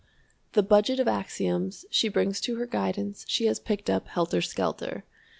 The budget of axioms she brings to her guidance she has picked up helter skelter.